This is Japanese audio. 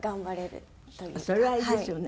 それはいいですよね。